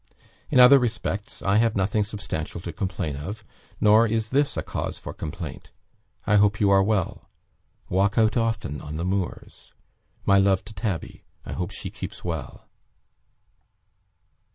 In other respects, I have nothing substantial to complain of, nor is this a cause for complaint. I hope you are well. Walk out often on the moors. My love to Tabby. I hope she keeps well."